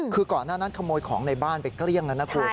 คือก่อนหน้านั้นขโมยของในบ้านไปเกลี้ยงแล้วนะคุณ